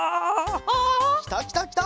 きたきたきた！